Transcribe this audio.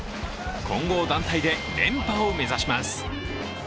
混合団体で連覇を目指します。